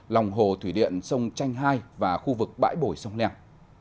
lòng hồ thủy điện sông chanh hai và khu vực bãi bồi sông leng